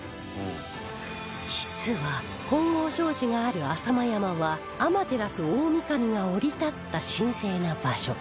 実は金剛證寺がある朝熊山は天照大御神が降り立った神聖な場所